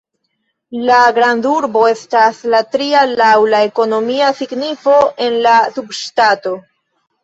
La grandurbo estas la tria laŭ la ekonomia signifo en la subŝtato.